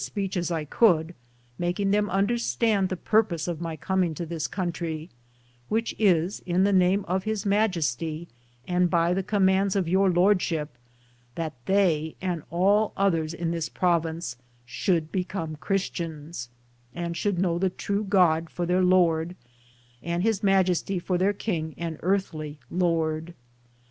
speech as I could, making them understand the purpose of my coming to this country, which is, in the name of His Majesty and by the commands of Your Lordship, that 178 am Google THE JOURNEY OP CORONADO they and all others in this province should become Christians and should know the true God for their Lord, and His Majesty for their king and earthly lord.